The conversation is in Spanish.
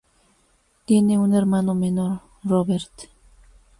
Tiene un hermano menor, Robert.